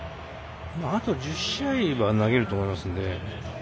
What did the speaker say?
あと１０試合は投げると思いますので。